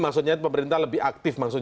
maksudnya pemerintah lebih aktif